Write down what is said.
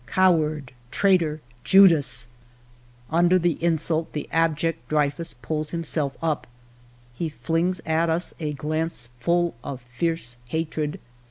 'Coward! Traitor! Judas !'" Under the insult, the abject Dreyfus pulls himself up. He flings at us a glance full of fierce hatred.